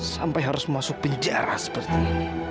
sampai harus masuk penjara seperti ini